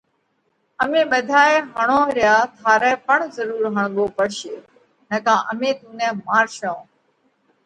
امي ٻڌائي هڻونه ريا ٿارئہ پڻ ضرُور هڻوو پڙشي نڪا امي تُون نئہ مارشون۔